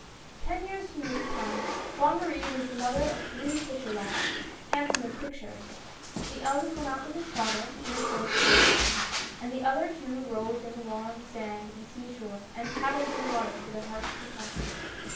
Ten years from this time Bonne Marie was the mother of three fisher lads, handsome as pictures. The eldest went out with his father in his boat constantly, and the other two rolled in the warm sand on the sea shore, and paddled in the water to their hearts' content.